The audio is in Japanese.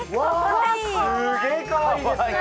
すげえかわいいですね！